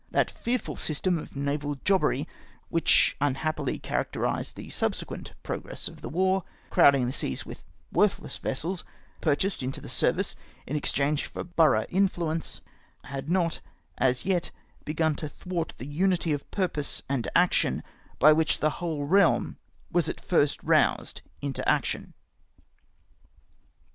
That fearful system of naval jobbery, which unhappily characterised the subsequent progress of the war, crowding the seas ^vith worthless vessels, pmxhased into the service in exchange for borough influence — had not as yet begun to thwart the unity of purpose and action by which the whole realm was at first roused mto action.